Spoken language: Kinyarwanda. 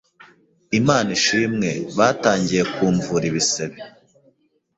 Imana ishimwe! Batangiey kumvura ibisebe,